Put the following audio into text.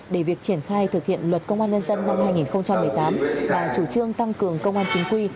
để việc triển khai thực hiện luật công an nhân dân năm hai nghìn một mươi tám và chủ trương tăng cường công an chính quy